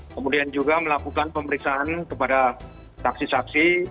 kemudian juga melakukan pemeriksaan kepada saksi saksi